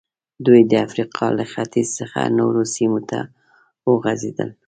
دوی د افریقا له ختیځ څخه نورو سیمو ته وخوځېدل.